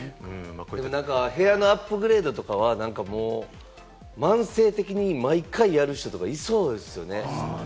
部屋のアップグレードとかは、慢性的に毎回やる人とかいそうですよね。